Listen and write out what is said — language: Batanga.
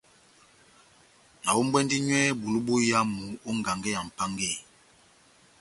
Nahombwɛndi nywɛ bulu boyamu ó ngangɛ ya Mʼpángeyi.